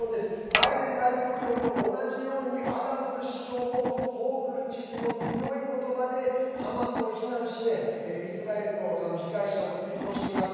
バイデン大統領と同じようにアダムズ市長も、ホークル知事も強い言葉でハマスを非難してイスラエルの被害者を追悼しています。